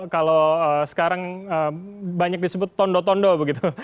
kalau sekarang banyak disebut tondo tondo begitu